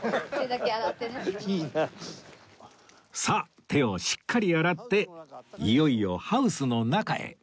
さあ手をしっかり洗っていよいよハウスの中へ